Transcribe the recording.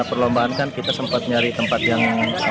sempat ada bubar gitu enggak